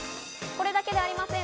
これだけではありません。